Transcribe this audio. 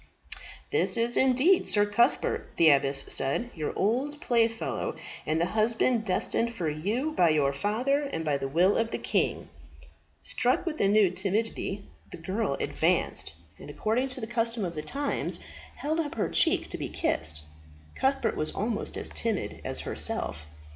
"This is indeed Sir Cuthbert," the abbess said, "your old playfellow, and the husband destined for you by your father and by the will of the king." Struck with a new timidity, the girl advanced, and, according to the custom of the times, held up her cheek to be kissed. Cuthbert was almost as timid as herself.